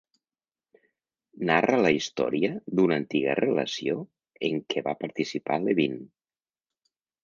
Narra la història d'una antiga relació en què va participar Levine.